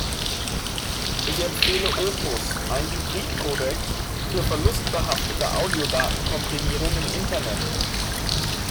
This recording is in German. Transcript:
Ich empfehle Opus, einen Hybridcodec, für verlustbehaftete Audiodatenkomprimierung im Internet.